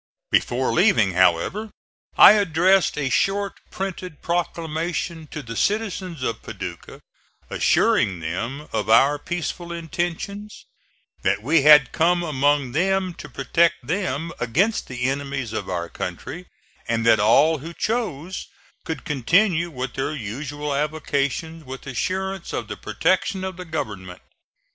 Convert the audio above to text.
Before leaving, however, I addressed a short printed proclamation to the citizens of Paducah assuring them of our peaceful intentions, that we had come among them to protect them against the enemies of our country, and that all who chose could continue their usual avocations with assurance of the protection of the government.